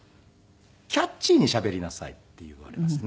「キャッチーにしゃべりなさい」って言われますね。